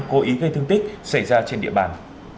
cố ý gây thương tích xảy ra trên địa bàn